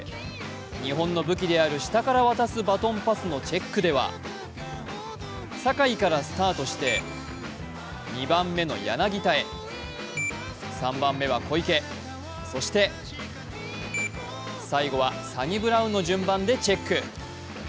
日本の武器である下から渡すバトンパスのチェックでは坂井からスタートして、２番目の柳田へ、３番目は小池、そして最後はサニブラウンの順番でチェック。